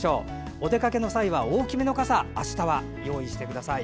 お出かけの際は大きめの傘をあしたはご用意ください。